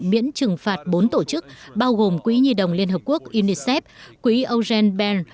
miễn trừng phạt bốn tổ chức bao gồm quỹ nhi đồng liên hợp quốc unicef quỹ eugène berne